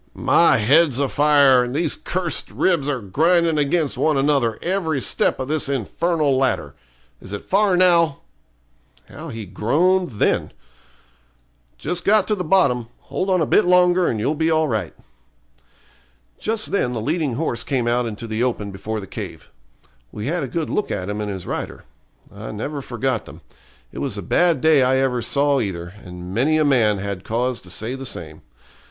'My head's a fire, and these cursed ribs are grinding against one another every step of this infernal ladder. Is it far now?' How he groaned then! 'Just got the bottom; hold on a bit longer and you'll be all right.' Just then the leading horse came out into the open before the cave. We had a good look at him and his rider. I never forgot them. It was a bad day I ever saw either, and many a man had cause to say the same.